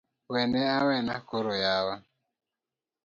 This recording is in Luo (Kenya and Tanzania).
Wene awena kore yawa